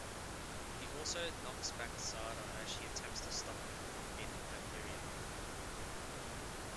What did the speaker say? He also knocks back Zarda as she attempts to stop him from beating Hyperion.